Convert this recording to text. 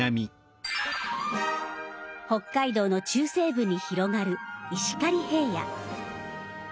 北海道の中西部に広がる石狩平野。